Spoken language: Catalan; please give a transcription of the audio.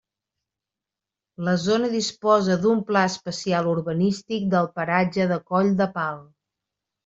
La zona disposa d'un Pla Especial urbanístic del Paratge de Coll de Pal.